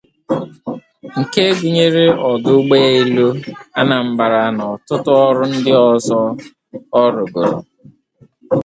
nke gụnyere ọdụ ụgbọelu Anambra na ọtụtụ ọrụ ndị ọzọ ọ rụgoro